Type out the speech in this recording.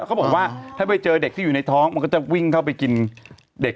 เขาบอกว่าถ้าไปเจอเด็กที่อยู่ในท้องมันก็จะวิ่งเข้าไปกินเด็ก